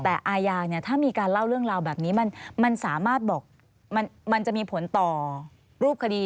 แต่อาญาเนี่ยถ้ามีการเล่าเรื่องราวแบบนี้มันสามารถบอกมันจะมีผลต่อรูปคดี